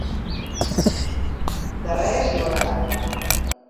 De res i bona tarda!